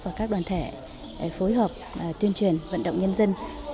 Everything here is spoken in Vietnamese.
và các đoàn thể phối hợp tuyên truyền vận động nhân dân